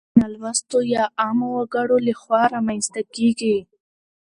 د نالوستو يا عامو وګړو لخوا رامنځته کيږي.